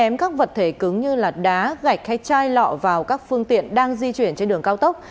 chém các vật thể cứng như đá gạch hay chai lọ vào các phương tiện đang di chuyển trên đường cao tốc